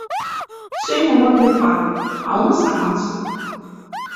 Сёння модны панк, а ў нас раманс.